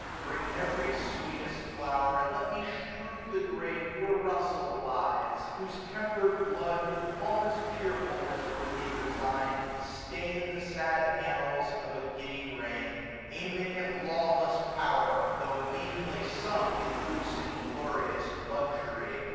1520 Bring every sweetest flower, and let me strew The grave where Russel lies j whose tempered blood. With calmest cheerfulness for thee resigned, Stain'd the sad annals of a giddy reign j Aiming at lawless power, tho* meanly sunk 1525 In loose inglorious luxury.